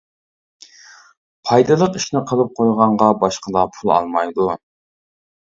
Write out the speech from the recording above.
پايدىلىق ئىشنى قىلىپ قويغانغا باشقىلار پۇل ئالمايدۇ.